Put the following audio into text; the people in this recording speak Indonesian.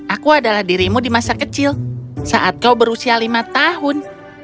aku adalah dirimu di masa kecil saat kau berusia lima tahun